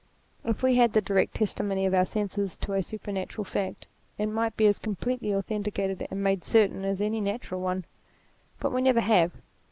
If we had the direct testimony of our senses to a supernatural fact, it might be as completely authenticated and made certain as any natural one. But we never have.